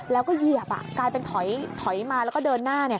แล้วก็เหยียบกลายเป็นถอยมาแล้วก็เดินหน้า